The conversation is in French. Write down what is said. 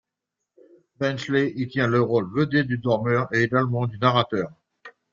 Benchley y tient le rôle vedette du dormeur et également du narrateur.